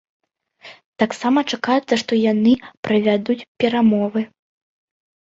Таксама чакаецца, што яны правядуць перамовы.